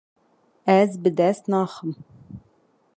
Ez bi dest naxim.